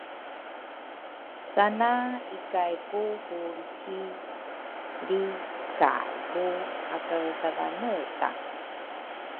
sana ikai ku hulrici, lrikay ku akaesadhaneta.